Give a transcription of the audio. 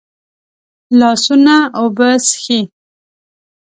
لاسونه اوبه څښي